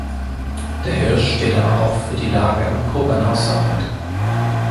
Der Hirsch steht aber auch für die Lage am Kobernaußerwald.